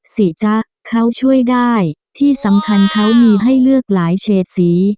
สิจ๊ะเขาช่วยได้ที่สำคัญเขามีให้เลือกหลายเฉดสี